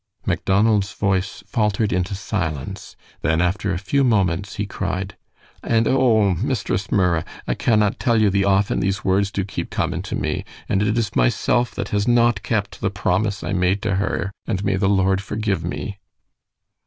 Macdonald's voice faltered into silence, then, after a few moments, he cried, "And oh! Mistress Murra', I cannot tell you the often these words do keep coming to me; and it is myself that has not kept the promise I made to her, and may the Lord forgive me."